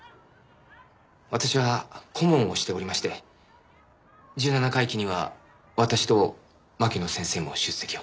私は顧問をしておりまして十七回忌には私と牧野先生も出席を。